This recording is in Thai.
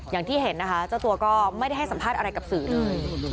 อย่างที่เห็นนะคะเจ้าตัวก็ไม่ได้ให้สัมภาษณ์อะไรกับสื่อเลย